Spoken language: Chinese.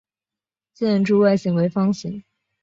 建筑外形为方形。